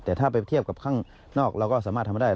แต่ถ้าไปเทียบกับข้างนอกเราก็สามารถทำมาได้